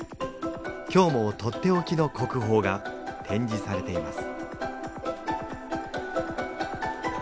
今日もとっておきの国宝が展示されています